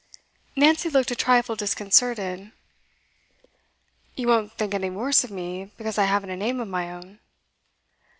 Nancy looked a trifle disconcerted. 'You won't think any worse of me, because I haven't a name of my own?